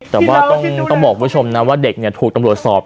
แต่ว่าต้องบอกคุณผู้ชมนะว่าเด็กเนี่ยถูกตำรวจสอบ